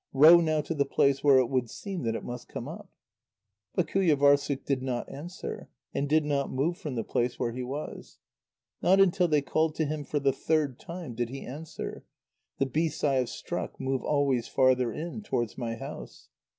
Row now to the place where it would seem that it must come up." But Qujâvârssuk did not answer, and did not move from the place where he was. Not until they called to him for the third time did he answer: "The beasts I have struck move always farther in, towards my house."